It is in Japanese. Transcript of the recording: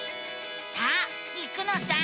さあ行くのさ！